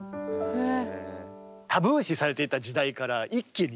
へえ。